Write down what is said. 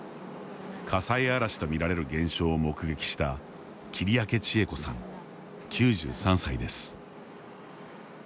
火災嵐と見られる現象を目撃した切明千枝子さん、９３歳です。